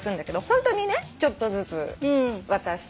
ホントにねちょっとずつ渡して。